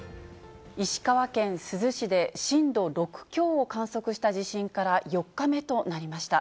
石川県珠洲市で震度６強を観測した地震から４日目となりました。